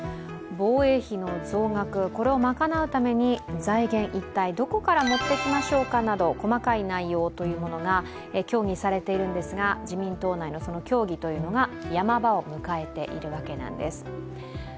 防衛費の増額、これを賄うために財源、一体どこから持ってきましょうかなど細かい内容というものが協議されているんですが、自民党内の協議がヤマ場を迎えているわけなんです。